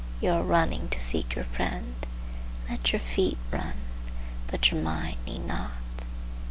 You are running to seek your friend. Let your feet run, but your mind need not.